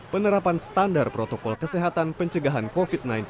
penerapan standar protokol kesehatan pencegahan covid sembilan belas